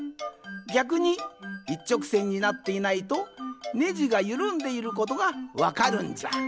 ぎゃくにいっちょくせんになっていないとネジがゆるんでいることがわかるんじゃ。